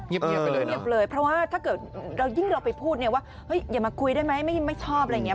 เงียบเลยเพราะว่าถ้าเกิดเรายิ่งเราไปพูดเนี่ยว่าเฮ้ยอย่ามาคุยได้ไหมไม่ชอบอะไรอย่างนี้